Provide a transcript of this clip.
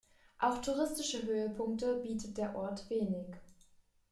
Auch touristische Höhepunkte bietet der Ort wenig.